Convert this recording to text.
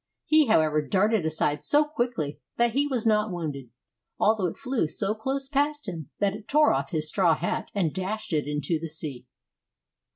He however darted aside so quickly that he was not wounded, although it flew so close past him that it tore off his straw hat and dashed it into the sea.